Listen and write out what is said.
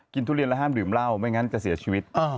ทุเรียนและห้ามดื่มเหล้าไม่งั้นจะเสียชีวิต